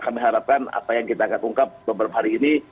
kami harapkan apa yang kita akan ungkap beberapa hari ini